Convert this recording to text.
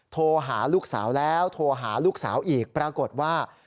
โทรหาลูกสาวแล้วโทรหาลูกสาวอีกปรากฏว่า